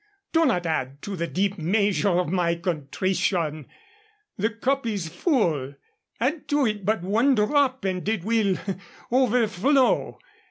Do not add to the deep measure of my contrition. The cup is full. Add to it but one drop and it will overflow.